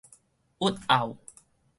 鬱懊